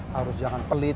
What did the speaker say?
harus jangan pelit